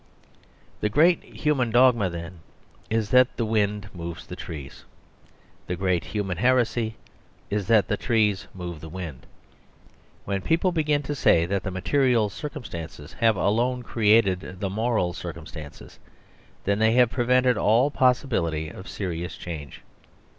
..... The great human dogma, then, is that the wind moves the trees. The great human heresy is that the trees move the wind. When people begin to say that the material circumstances have alone created the moral circumstances, then they have prevented all possibility of serious change.